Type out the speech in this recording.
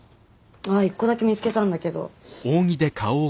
あぁ１個だけ見つけたんだけど。